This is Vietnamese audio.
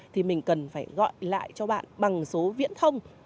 thì mình cần phải gọi lại cho bạn bằng số viễn thông